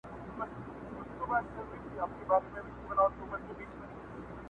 توري پښې توري مشوکي بد مخونه.!